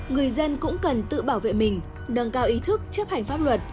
người dân cũng cần tự bảo vệ mình nâng cao ý thức chấp hành pháp luật